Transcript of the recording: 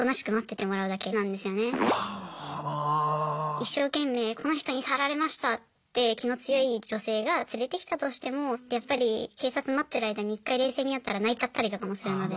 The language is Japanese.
一生懸命「この人に触られました」って気の強い女性が連れてきたとしてもやっぱり警察待ってる間に一回冷静になったら泣いちゃったりとかもするので。